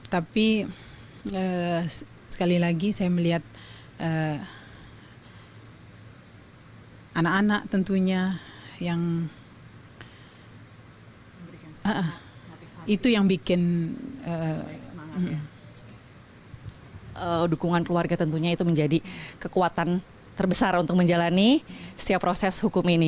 tapi sekali lagi saya melihat anak anak tentunya yang itu yang bikin dukungan keluarga tentunya itu menjadi kekuatan terbesar untuk menjalani setiap proses hukum ini